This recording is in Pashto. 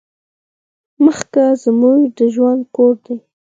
مځکه زموږ د ژوند کور ده.